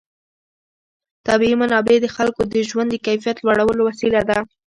طبیعي منابع د خلکو د ژوند د کیفیت لوړولو وسیله ده.